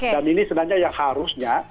ini sebenarnya yang harusnya